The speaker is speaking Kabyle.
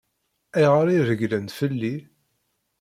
Ayɣer i regglent fell-i?